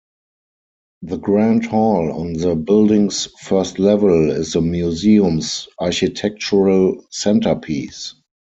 The Grand Hall on the building's first level is the museum's architectural centrepiece.